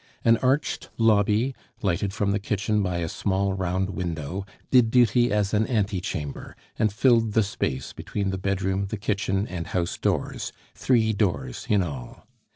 An arched lobby, lighted from the kitchen by a small round window, did duty as an ante chamber, and filled the space between the bedroom, the kitchen, and house doors three doors in all.